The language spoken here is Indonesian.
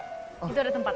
itu ada tempat ya